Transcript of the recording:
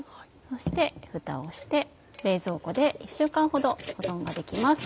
そしてふたをして冷蔵庫で１週間ほど保存ができます。